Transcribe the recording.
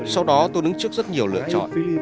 sau đó tôi đứng trước rất nhiều lựa chọn